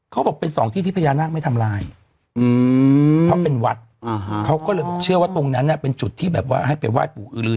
เขาบอกเป็นสองที่ที่พญานาคไม่ทำลายเพราะเป็นวัดเขาก็เลยบอกเชื่อว่าตรงนั้นเป็นจุดที่แบบว่าให้ไปไหว้ปู่อื้อลือ